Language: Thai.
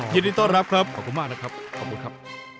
ยินดีต้อนรับครับขอบคุณมากนะครับขอบคุณครับ